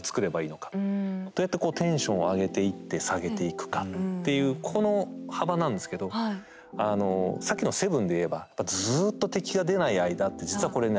どうやってこうテンションを上げていって下げていくかっていうこの幅なんですけどさっきの「７」で言えばずっと敵が出ない間って実はこれね